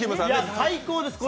最高です。